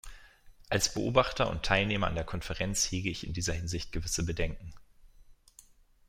Als Beobachter und Teilnehmer an der Konferenz hege ich in dieser Hinsicht gewisse Bedenken.